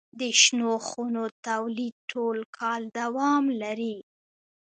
د شنو خونو تولید ټول کال دوام لري.